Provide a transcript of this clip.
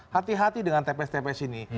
hati hati dengan tps tps ini